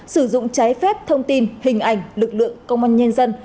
sử dụng trái phép thông tin hình ảnh lực lượng công an nhân dân